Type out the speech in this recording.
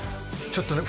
ちょっとね